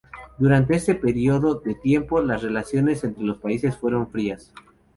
Durante este periodo de tiempo, las relaciones entre los países fueron frías.